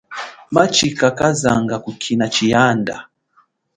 Matshika kazanga kukina tshiyanda.